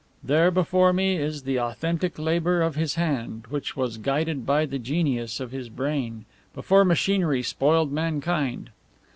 There before me is the authentic labour of his hand, which was guided by the genius of his brain before machinery spoiled mankind.